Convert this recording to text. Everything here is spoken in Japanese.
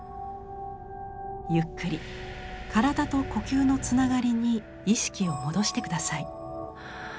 ゆっくり体と呼吸のつながりに意識を戻してください。